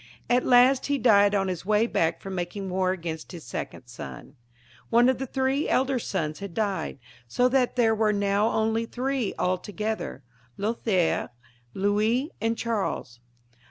At last he died on his way back from making war against his second son. One of the three elder sons had died, so that there were now only three altogether — Loliiaire, Louis, and Charles.